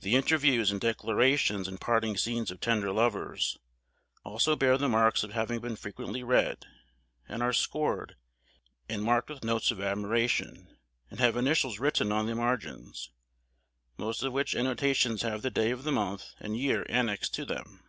The interviews, and declarations, and parting scenes of tender lovers, also bear the marks of having been frequently read, and are scored, and marked with notes of admiration, and have initials written on the margins; most of which annotations have the day of the month and year annexed to them.